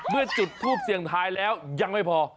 เมื่อจุดทูปเสียงทายแล้วยังไม่พอ